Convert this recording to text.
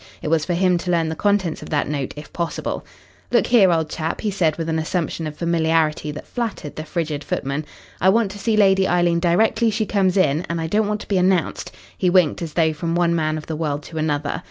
It was for him to learn the contents of that note if possible. "Look here, old chap," he said, with an assumption of familiarity that flattered the frigid footman, "I want to see Lady Eileen directly she comes in, and I don't want to be announced." He winked as though from one man of the world to another.